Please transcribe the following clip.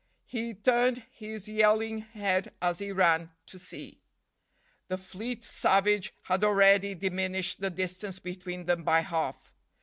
He turned his yelling head as he ran, to see. The fleet savage had already diminished the distance between them by half.